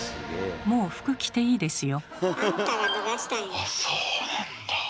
もう服着ていいですよ。